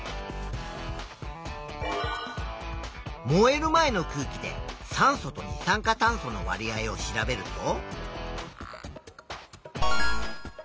燃える前の空気で酸素と二酸化炭素のわり合を調べると。